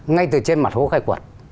ngay từ trên mặt hố khai quật